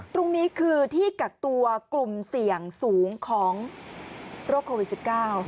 ตรงนี้คือที่กักตัวกลุ่มเสี่ยงสูงของโรคโควิด๑๙